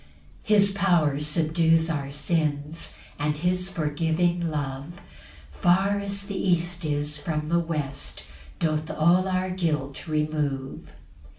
4 His power subdues our sins; And his forgiving love, Far as the east is from the west, Doth all our guilt remove.